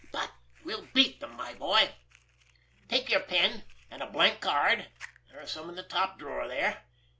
But we'll beat them, my boy! Take your pen, and a blank card—there are some in the top drawer there.